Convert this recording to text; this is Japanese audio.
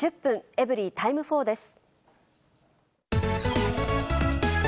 エブリィタイム４です。